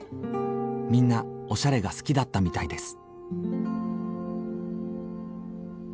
みんなおしゃれが好きだったみたいです。